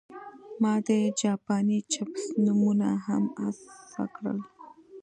ما د جاپاني چپس نومونه هم هڅه کړل